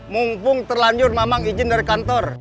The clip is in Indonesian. mumpung terlanjur memang izin dari kantor